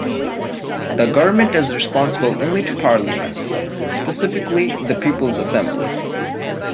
The government is responsible only to Parliament, specifically the People's Assembly.